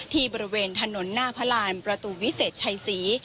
ที่บริเวณถนนหน้าพระารในประตูวิเศษไชซี